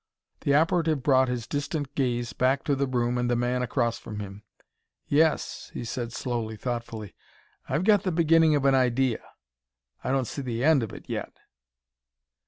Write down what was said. The operative brought his distant gaze back to the room and the man across from him. "Yes," he said slowly, thoughtfully, "I've got the beginning of an idea; I don't see the end of it yet.